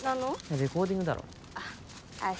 レコーディングだろ明日